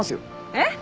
えっ！？